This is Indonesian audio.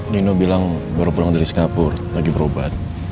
nino bilang baru pulang dari singapura lagi berobat